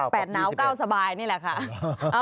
ป๊อก๙ป๊อก๙สบายนี่แหละค่ะ